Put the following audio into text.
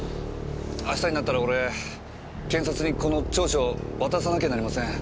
明日になったら俺検察にこの調書を渡さなきゃなりません。